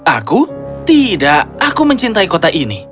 aku tidak aku mencintai kota ini